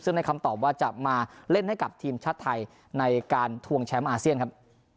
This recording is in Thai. ซึ่งได้คำตอบว่าจะมาเล่นให้กับทีมชาติไทยในการทวงแชมป์อาเซียนครับ